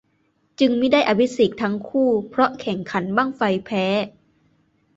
จึงมิได้อภิเษกทั้งคู่เพราะแข่งขันบั้งไฟแพ้